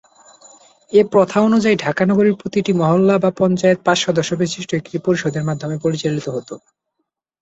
এ প্রথা অনুযায়ী ঢাকা নগরীর প্রতিটি মহল্লা বা পঞ্চায়েত পাঁচ সদস্য বিশিষ্ট একটি পরিষদের মাধ্যমে পরিচালিত হতো।